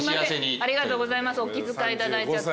お気遣いいただいちゃって。